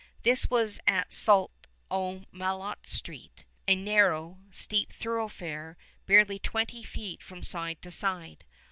This was at Sault au Matelot Street, a narrow, steep thoroughfare, barely twenty feet from side to side.